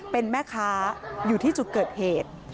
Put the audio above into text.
เป็นแม่ค้าอยู่ที่จุดเกิดเหตุ